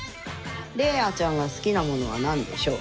伶哉ちゃんが好きなものは何でしょう？